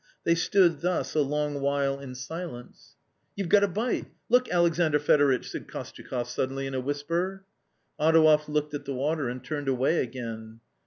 They stood thus a long while in silence. 204 A COMMON STORY "You've got a bite! look, Alexandr Fedoritch," said Kostyakoff suddenly in a whisper. Adouev looked at the water, and turned away again.